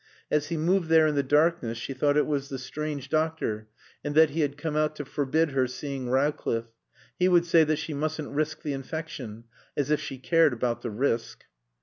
As he moved there in the darkness she thought it was the strange doctor and that he had come out to forbid her seeing Rowcliffe. He would say that she mustn't risk the infection. As if she cared about the risk.